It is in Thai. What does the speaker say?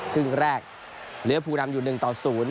ครึ่งแรกเหลือภูนำอยู่๑ต่อ๐